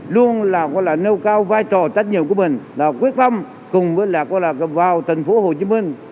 luôn nêu cao vai trò tách nhiệm của mình là quyết phong cùng với vào thành phố hồ chí minh